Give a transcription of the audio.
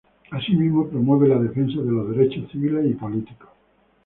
Asimismo, promueve la defensa de los derechos civiles y políticos.